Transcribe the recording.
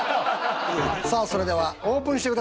さあそれではオープンしてください。